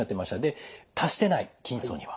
で達してない筋層には。